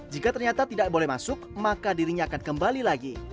jika ternyata tidak boleh masuk maka dirinya akan kembali lagi